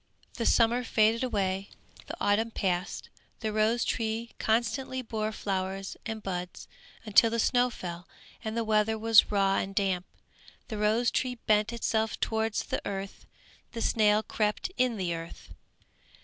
The summer faded away, the autumn passed, the rose tree constantly bore flowers and buds, until the snow fell, and the weather was raw and damp. The rose tree bent itself towards the earth, the snail crept in the earth.